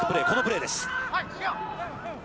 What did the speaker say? このプレーです。